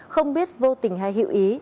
không biết vô tình hay hữu ý